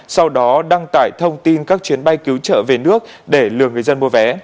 sau đó đăng tải thông tin các chuyến bay cứu trợ về nước để lừa người dân mua vé